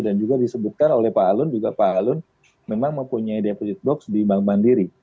dan juga disebutkan oleh pak alun juga pak alun memang mempunyai deposit box di bank mandiri